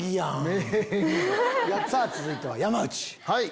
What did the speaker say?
さぁ続いては山内。